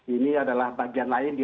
ini adalah bagian lain di